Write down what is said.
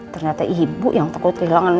ternyata ibu yang takut kehilangan